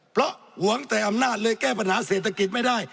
เพราะห่วงแต่อำนาจเลยแก้ปัญหาเศรษฐกิจไม่ได้